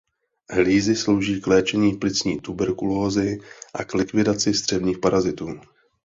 Hlízy slouží k léčení plicní tuberkulózy a k likvidaci střevních parazitů.